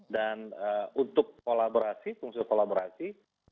untuk kolaborasi fungsi kolaborasi